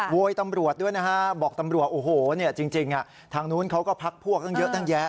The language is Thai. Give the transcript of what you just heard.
โวยตำรวจด้วยบอกตำรวจจริงทางนู้นเขาก็พักพวกเยอะตั้งแยะ